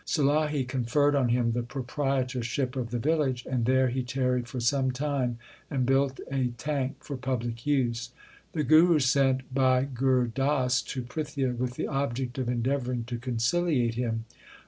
Sulahi conferred on him the proprietorship of the village, and there he tarried for some time and built a tank for public use. The Guru sent Bhai Gur Das to Prithia with the object of endeavouring to conciliate him.